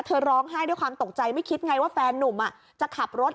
ร้องไห้ด้วยความตกใจไม่คิดไงว่าแฟนนุ่มจะขับรถ